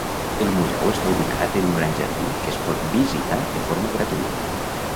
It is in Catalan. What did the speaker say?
El museu està ubicat en un gran jardí que es pot visitar de forma gratuïta.